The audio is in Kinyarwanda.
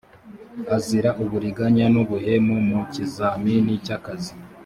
azira uburiganya n’ubuhemu mu kizamini cy’akazi